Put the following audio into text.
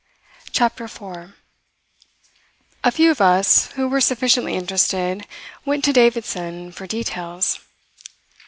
CHAPTER FOUR A few of us who were sufficiently interested went to Davidson for details.